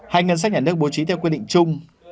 hay ngân sách nhà nước bố trí theo quy định chung